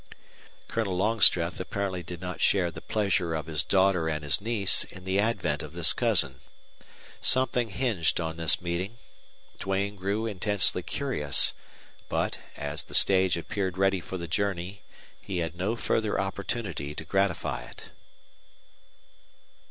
Colonel Longstreth apparently did not share the pleasure of his daughter and his niece in the advent of this cousin. Something hinged on this meeting. Duane grew intensely curious, but, as the stage appeared ready for the journey, he had no further opportunity to gratify it.